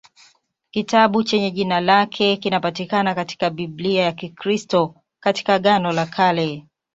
Kitabu chenye jina lake kinapatikana katika Biblia ya Kikristo katika Agano la Kale.